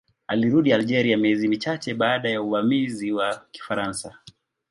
Alirudi Algeria miezi michache kabla ya uvamizi wa Kifaransa.